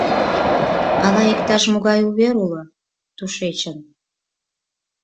Ала иктаж-могай увер уло, тушечын...